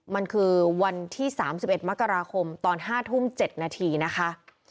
มันคือวันที่สามสิบเอ็ดมกราคมตอนห้าทุ่มเจ็ดนาทีนะคะ